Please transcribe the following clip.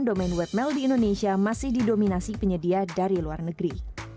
domain wedmail di indonesia masih didominasi penyedia dari luar negeri